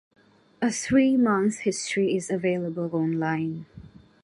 A three-month history is available online.